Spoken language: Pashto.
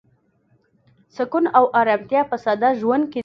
سکون او ارامتیا په ساده ژوند کې ده.